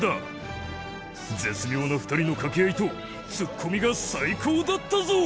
絶妙な２人のかけ合いとツッコミが最高だったぞ！